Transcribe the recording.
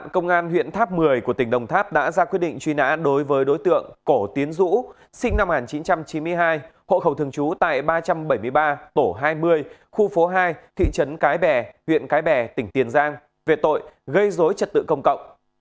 công an huyện tháp một mươi của tỉnh đồng tháp đã ra quyết định truy nã đối với đối tượng cổ tiến dũ sinh năm một nghìn chín trăm chín mươi hai hộ khẩu thường trú tại ba trăm bảy mươi ba tổ hai mươi khu phố hai thị trấn cái bè huyện cái bè tỉnh tiền giang về tội gây dối trật tự công cộng